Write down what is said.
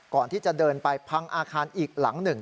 ก่อนที่จะเดินไปพังอาคารอีกหลังหนึ่ง